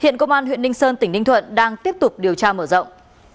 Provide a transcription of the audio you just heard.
ngà đang tiếp tục điều tra mở rộng